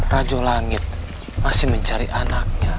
rajo langit masih mencari anaknya